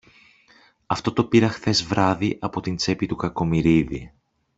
Αυτό το πήρα χθες βράδυ από την τσέπη του Κακομοιρίδη.